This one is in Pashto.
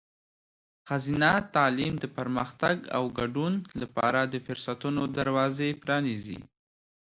ښځینه تعلیم د پرمختګ او ګډون لپاره د فرصتونو دروازې پرانیزي.